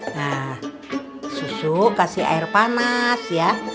nah susu kasih air panas ya